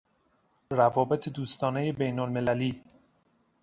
روابط دوستانهی بین المللی